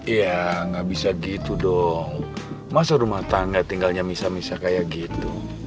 iya nggak bisa gitu dong masa rumah tangga tinggalnya misah misah kayak gitu